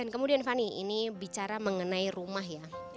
kemudian fani ini bicara mengenai rumah ya